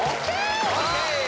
ＯＫ！